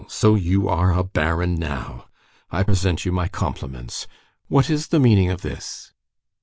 so you are a baron now. I present you my compliments. What is the meaning of this?"